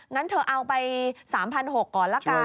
งั้นเธอเอาไป๓๖๐๐ก่อนละกัน